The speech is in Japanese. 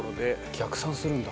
逆算するんだ。